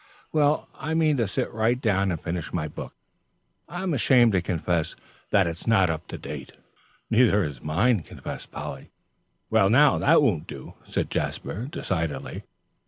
"Well, I mean to sit right down and finish my book. I'm ashamed to confess that it's not up to date." "Neither is mine," confessed Polly. "Well, now, that won't do," said Jasper, decidedly.